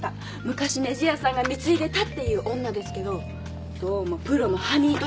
昔ねじ屋さんが貢いでたっていう女ですけどどうもプロのハニートラッパーですね。